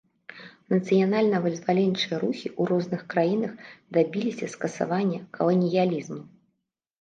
Нацыянальна-вызваленчыя рухі ў розных краінах дабіліся скасавання каланіялізму.